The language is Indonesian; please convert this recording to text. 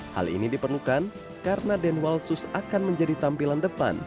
hal ini diperlukan karena denwalsus akan menjadi tampilan depan